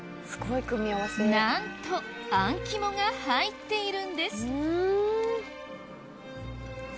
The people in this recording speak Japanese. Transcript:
なんとあん肝が入っているんです